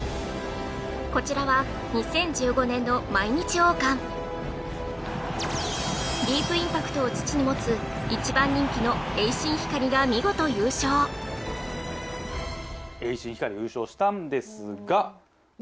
こちらは２０１５年の毎日王冠ディープインパクトを父に持つ一番人気のエイシンヒカリが見事優勝エイシンヒカリが優勝したんですがで